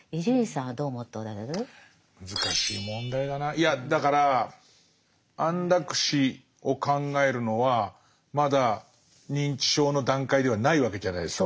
いやだから安楽死を考えるのはまだ認知症の段階ではないわけじゃないですか。